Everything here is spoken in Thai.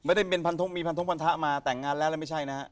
ไม่ได้มีพันทุกพันทะมาแต่งงานแล้วแล้วไม่ใช่นะ